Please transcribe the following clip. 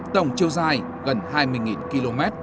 tổng chiêu dài gần hai mươi km